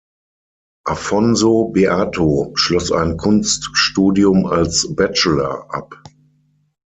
Affonso Beato schloss ein Kunststudium als Bachelor ab.